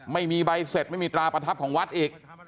ไม่มีใบเสร็จไม่มีตราประทับของวัดอีก